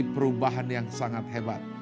untuk memiliki perubahan yang sangat hebat